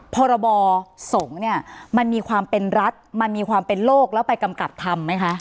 พรบสงฆ์เนี่ยมันมีความเป็นรัฐมันมีความเป็นโลกแล้วไปกำกับทำไหมคะ